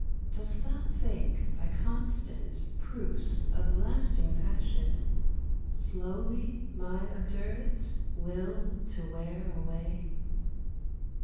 Dost thou think by constant Proofs of lasting passion, Slowly my obdurate Will to wear away?